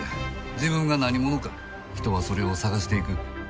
自分が何者か人はそれを探していく。